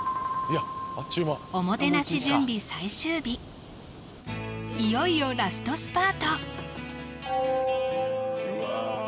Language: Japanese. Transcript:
おもてなし準備最終日いよいよラストスパートうわ